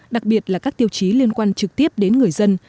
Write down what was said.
đặc biệt là các tiêu chí liên quan trực tiếp đến người dân